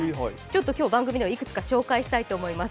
今日、番組ではいくつか紹介したいと思います。